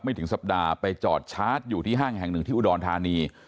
ถึงสัปดาห์ไปจอดชาร์จอยู่ที่ห้างแห่งหนึ่งที่อุดรธานี